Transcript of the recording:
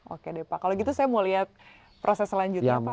oke deh pak kalau gitu saya mau lihat proses selanjutnya pak